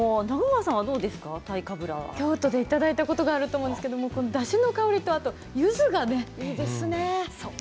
京都でいただいたことがあるんですが、だしの香りとゆずがね、いいですよね。